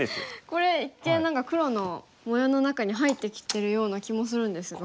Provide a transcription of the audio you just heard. これ一見何か黒の模様の中に入ってきてるような気もするんですが。